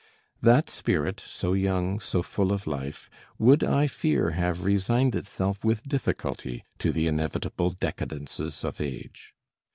That spirit, so young, so full of life, would I fear have resigned itself with difficulty to the inevitable decadences of age.